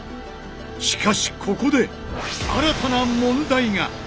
しかしここで新たな問題が！